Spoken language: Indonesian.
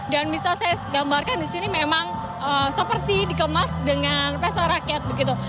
dan bisa saya gambarkan di sini memang seperti dikemas dengan peseraket begitu